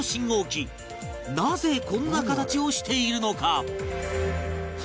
なぜこんな形をしているのか？